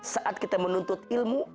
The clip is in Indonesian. saat kita menuntut ilmu